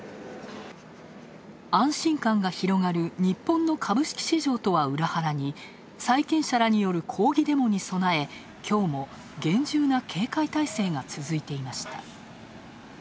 安心感が広がる日本の株式市場とは裏腹に債権者らによる抗議デモに備えきょうも厳重な警戒態勢が続いていました。